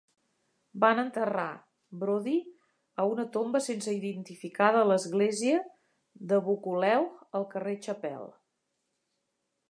Van enterrar Brodie a una tomba sense identificar de l'església de Buccleuch, al carrer Chapel.